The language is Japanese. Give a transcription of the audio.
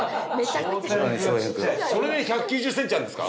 それで１９０ｃｍあるんですか？